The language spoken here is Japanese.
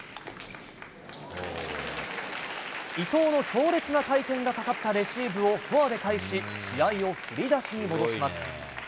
伊藤の強烈な回転がかかったレシーブをフォアで返し、試合を振り出しに戻します。